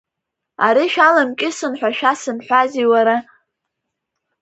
Ари шәаламкьысын ҳәа шәасымҳәази, уара?!